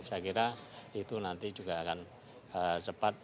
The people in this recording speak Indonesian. saya kira itu nanti juga akan cepat